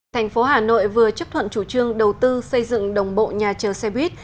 thành phố hà nội vừa chấp thuận chủ trương đầu tư xây dựng đồng bộ nhà chờ xe buýt